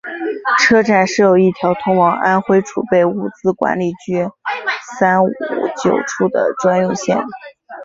车站设有一条通往安徽储备物资管理局三五九处的专用线。